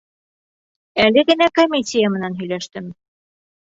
Әле генә комиссия менән һөйләштем.